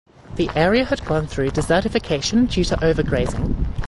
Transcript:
The area had gone through desertification due to overgrazing.